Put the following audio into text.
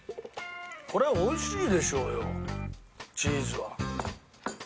これは美味しいでしょうよチーズは。